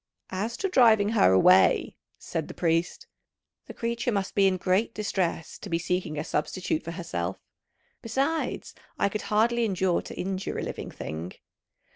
"As to driving her away," said the priest, "the creature must be in great distress to be seeking a substitute for herself; besides, I could hardly endure to injure a living thing."